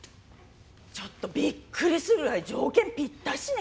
ちょっとびっくりするぐらい条件ぴったしね。